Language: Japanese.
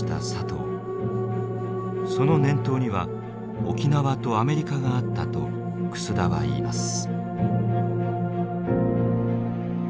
その念頭には沖縄とアメリカがあったと楠田は言います。